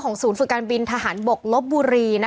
ศูนย์ฝึกการบินทหารบกลบบุรี